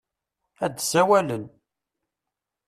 Ad d-sawalen.